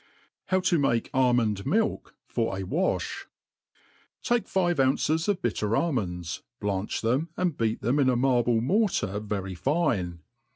How to make Almond Milk for a Wajk. TAKE five ounces of bitter almonds, blanch them and beat them in a marble mortar very fine.